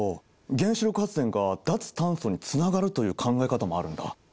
原子力発電が脱炭素につながるという考え方もあるんだ。